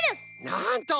なんと！